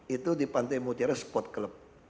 itu di pantai mutiara spot club